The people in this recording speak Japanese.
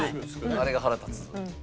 あれが腹立つ。